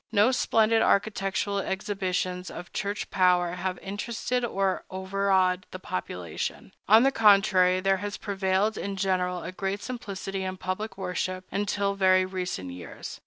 No splendid architectural exhibitions of Church power have interested or overawed the population. On the contrary, there has prevailed in general a great simplicity in public worship, until very recent years.